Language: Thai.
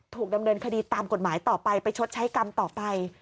ถูกดำเนินคดีตามกฎหมายต่อไปไปชดใช้กรรมต่อไป